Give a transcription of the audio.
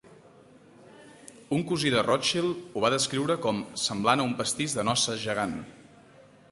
Un cosí de Rothschild ho va descriure com: "semblant a un pastís de noces gegant".